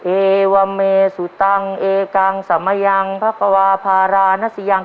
เอวเมสุตังเอกังสมยังพระกวาภารานัสยัง